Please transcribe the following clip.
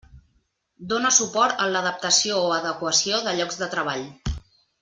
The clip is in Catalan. Dóna suport en l'adaptació o adequació de llocs de treball.